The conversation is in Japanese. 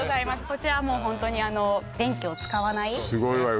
こちらはもうホントに電気を使わないすごいわよ